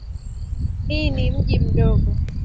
Hii ni mji mdogo.